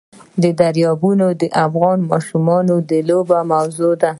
دریابونه د افغان ماشومانو د لوبو موضوع ده.